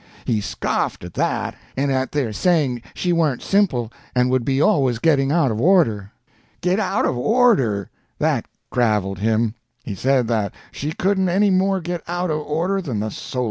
He scoffed at that, and at their saying she warn't simple and would be always getting out of order. Get out of order! That graveled him; he said that she couldn't any more get out of order than the solar sister.